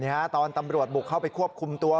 ฮะตอนตำรวจบุกเข้าไปควบคุมตัว